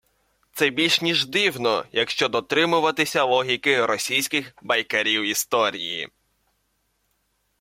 Це більш ніж дивно, якщо дотримуватися логіки російських «байкарів історії»